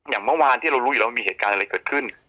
อย่างเมื่อวานที่เรารู้อยู่แล้วมีเหตุการณ์อะไรเกิดขึ้น